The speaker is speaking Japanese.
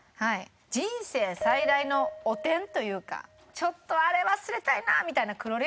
人生最大の汚点というかちょっとあれ忘れたいなみたいな。